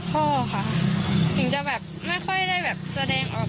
ถึงจะแบบไม่ค่อยได้แบบแสดงออก